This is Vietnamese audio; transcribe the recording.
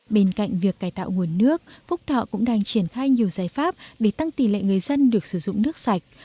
bên cạnh việc cài tạo nguồn nước phúc thọ cũng đang triển khai nhiều giải pháp để tăng tỷ lệ người dân được sử dụng nước sạch